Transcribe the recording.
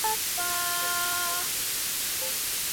各大城市有国际知名的音乐中心。